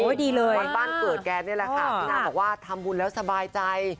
ดีเลยวันบ้านเกิดแกนี่แหละค่ะพี่นางบอกว่าทำบุญแล้วสบายใจ